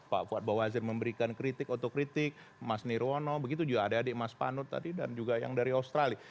pak fuad bawazir memberikan kritik otokritik mas nirwono begitu juga adik adik mas panut tadi dan juga yang dari australia